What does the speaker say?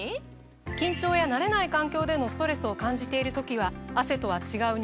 緊張や慣れない環境でのストレスを感じている時は汗とは違う